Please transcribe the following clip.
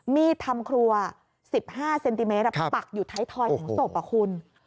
มีดทำครัว๑๕เซนติเมตรปักอยู่ท้ายทอยของศพคุณ